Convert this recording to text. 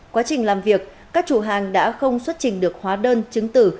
quá trình làm việc các chủ hàng đã không xuất trình được hóa đơn chứng tử